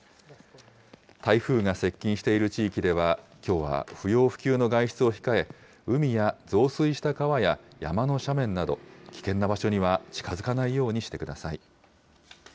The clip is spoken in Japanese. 台風が接近している地域では、きょうは不要不急の外出を控え、海や増水した川や山の斜面など、危険な場所には近づかないようにしてください。